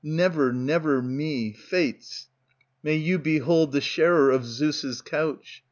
Never, never me Fates ... May you behold the sharer of Zeus' couch.